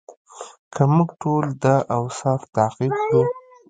که موږ ټول دا اصول تعقیب کړو.